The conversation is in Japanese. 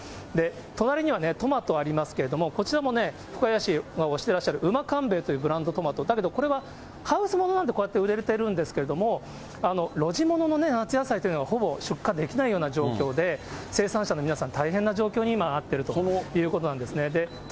隣にはトマトありますけれども、こちらも深谷市が推していらっしゃるうまかんべえというブランドトマト、だけどこれはハウスものなんでこうやって売れてるんですけれども、露地ものの夏野菜というのもほぼ出荷できないような状況で、生産者の皆さん、大変な状況に今、遭っているということなんですね。